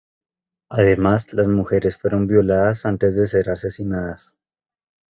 Además las mujeres fueron violadas antes de ser asesinadas.